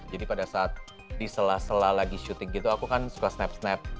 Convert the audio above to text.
jadi pada saat disela sela lagi shooting gitu aku kan suka snap snap